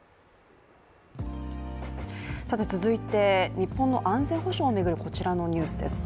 続いて日本の安全保障を巡るこちらのニュースです。